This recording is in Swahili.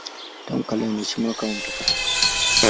Tangu kale anaheshimiwa kama watakatifu.